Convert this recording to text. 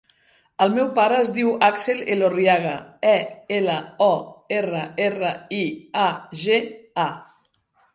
El meu pare es diu Axel Elorriaga: e, ela, o, erra, erra, i, a, ge, a.